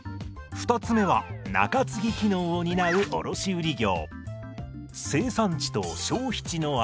３つ目は分散機能を担う卸売業。